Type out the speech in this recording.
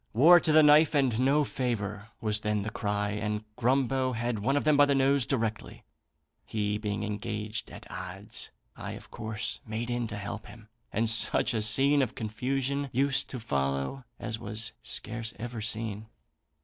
'War to the knife, and no favour,' was then the cry; and Grumbo had one of them by the nose directly. He being engaged at odds, I of course made in to help him, and such a scene of confusion used to follow as was scarce ever seen.